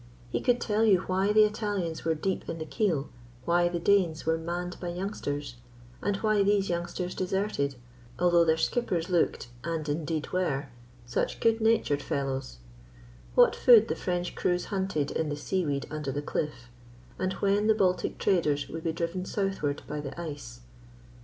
He could tell you why the Italians were deep in the keel, why the Danes were manned by youngsters, and why these youngsters deserted, although their skippers looked, and indeed were, such good natured fellows; what food the French crews hunted in the seaweed under the cliff, and when the Baltic traders would be driven southward by the ice.